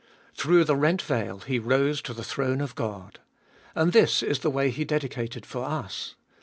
Through the rent veil He rose to the throne of God. And this is the way He dedicated for us.